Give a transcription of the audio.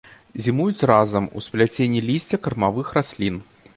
Зімуюць разам у спляценні лісця кармавых раслін.